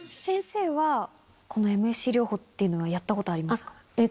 先生は、このＭＳＣ療法っていうのはやったことありますか？